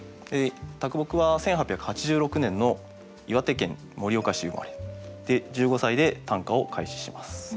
木は１８８６年の岩手県盛岡市生まれ。で１５歳で短歌を開始します。